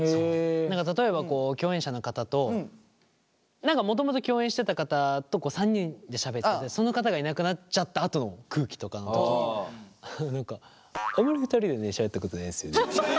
例えば共演者の方と何かもともと共演してた方と３人でしゃべっててその方がいなくなっちゃったあとの空気とかの時に何かあまり２人でしゃべったことないですよね。